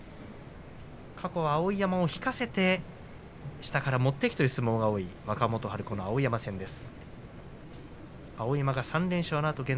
過去は碧山を引かせて下から持っていくという相撲が多い若元春碧山戦です。